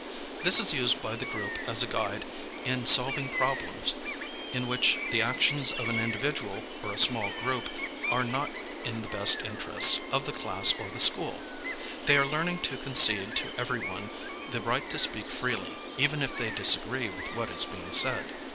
This is used by the group as a guide in solving problems in which the actions of an individual or a small grouj) are not in the best interests of the class or the school. They are learning to concede to evervone the right to speak freely, even if they disagree with what is being said.